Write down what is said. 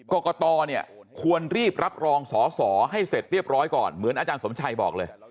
กรกตเนี่ยควรรีบรับรองสอสอให้เสร็จเรียบร้อยก่อนเหมือนอาจารย์สมชัยบอกเลย